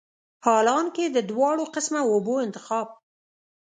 حالانکه د دواړو قسمه اوبو انتخاب